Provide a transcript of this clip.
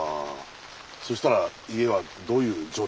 そしたら家はどういう状態だったの？